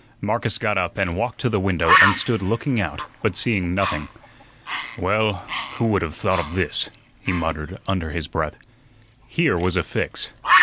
Marcus got up and walked to the window and stood looking out, but seeing nothing. "Well, who would have thought of this?" he muttered under his breath. Here was a fix.